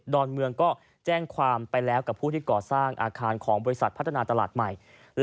อนเมืองก็แจ้งความไปแล้วกับผู้ที่ก่อสร้างอาคารของบริษัทพัฒนาตลาดใหม่